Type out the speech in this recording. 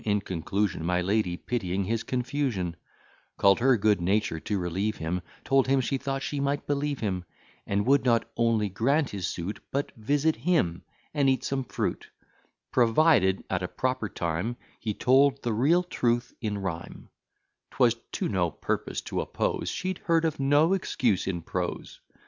In conclusion, My lady, pitying his confusion, Call'd her good nature to relieve him; Told him, she thought she might believe him; And would not only grant his suit, But visit him, and eat some fruit, Provided, at a proper time, He told the real truth in rhyme; 'Twas to no purpose to oppose, She'd hear of no excuse in prose.